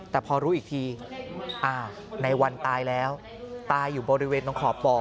แต่พอรู้อีกทีในวันตายแล้วตายอยู่บริเวณตรงขอบบ่อ